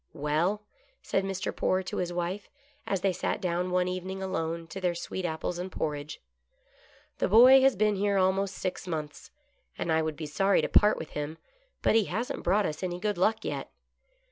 " Well," said Mr. Poore to his wife, as they sat down one evening alone to their sweet apples and porridge, " the boy has been here almost six months, and I would be sorry to part with him, but he hasn't brought us any good luck yet.